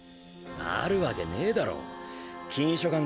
あるわけねえだろ禁書館